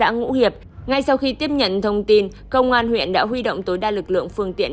ngay sau khi tiếp nhận thông tin công an huyện đã huy động tối đa lực lượng phương tiện